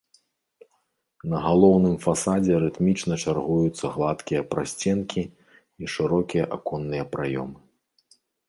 На галоўным фасадзе рытмічна чаргуюцца гладкія прасценкі і шырокія аконныя праёмы.